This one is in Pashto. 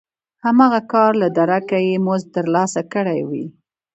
د هماغه کار له درکه یې مزد ترلاسه کړی وي